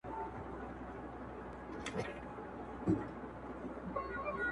جادوګر په شپه کي وتښتېد له ښاره.!